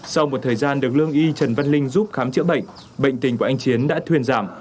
sau một thời gian được lương y trần văn linh giúp khám chữa bệnh bệnh tình của anh chiến đã thuyền giảm